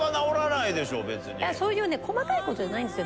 そういうね細かいことじゃないんですよ